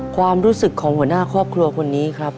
ความรู้สึกของหัวหน้าครอบครัวคนนี้ครับ